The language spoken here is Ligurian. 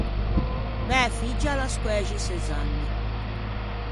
Mæ figgia a l’à squæxi sezz’anni.